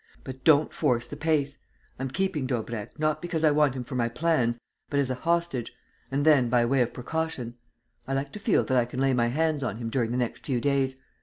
But don't force the pace. I'm keeping Daubrecq, not because I want him for my plans, but as a hostage ... and then by way of precaution.... I like to feel that I can lay my hands on him during the next few days.